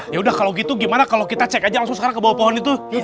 yaudah kalau gitu gimana kalau kita cek aja langsung ke bawah pohon itu